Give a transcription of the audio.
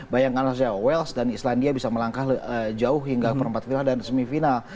bayangkan saja wales dan islandia bisa melangkah jauh hingga perempat final dan semifinal